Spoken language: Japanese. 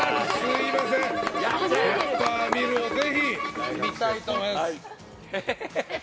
ペッパーミルぜひ見たいと思います。